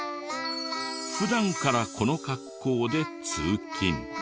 普段からこの格好で通勤。